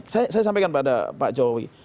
saya sampaikan pada pak jokowi